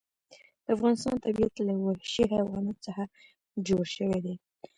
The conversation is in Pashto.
د افغانستان طبیعت له وحشي حیواناتو څخه جوړ شوی دی.